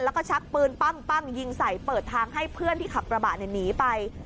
แล้วก็ชักปืนปั้งยิงใส่เปิดทางให้เพื่อนที่ขับกระบะหนีไป